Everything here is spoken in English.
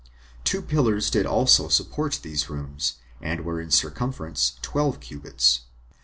Two pillars did also support these rooms, and were in circumference twelve cubits.